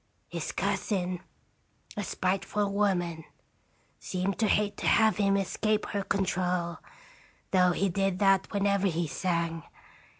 His cousin, a spiteful woman, seemed to hate to have him escape her control, though he did that whenever he sang.